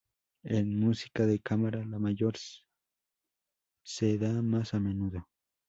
En música de cámara, La mayor se da más a menudo.